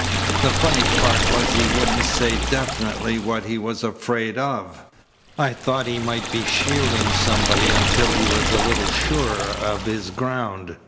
The funny part was he wouldn't say definitely what he was afraid of. I thought he might be shielding somebody until he was a little surer of his ground.